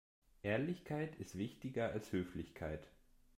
Ehrlichkeit ist wichtiger als Höflichkeit.